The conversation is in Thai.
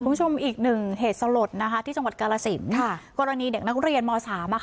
ทุกชมอีกหนึ่งเหตุสรดที่กรสินภาคกรณีเด็กนักเรียนม๓